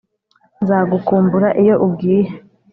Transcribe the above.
nzagukumbura iyo ugiye.